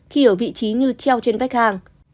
khi ở vị trí như treo trên vách hàng